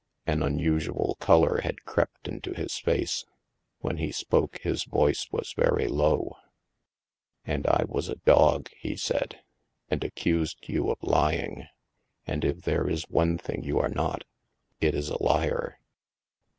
An unusual color had crept into his face. When he spoke, his voice was very low. " And I was a dog," he said, " and accused you of lying. And if there is one thing you are not, it is a liar.